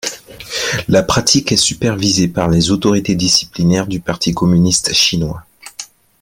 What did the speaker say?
La pratique est supervisée par les autorités disciplinaires du parti communiste chinois.